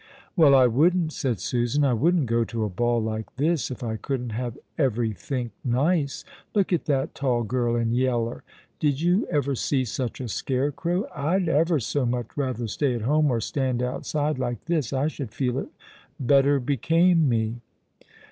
" Well, I wouldn't," said Susan, " I wouldn't go to a ball like this if I couldn't have everythink nice. Look at that tall girl in yeller. Did you ever see such a scarecrow ? I'd ever so much rather stay at home, or stand outside, like this. I should feel it better became me."